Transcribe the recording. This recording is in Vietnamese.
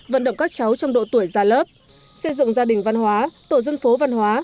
vận động các cháu trong độ tuổi ra lớp xây dựng gia đình văn hóa tổ dân phố văn hóa